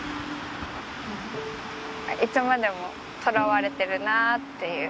いつまでもとらわれてるなっていう。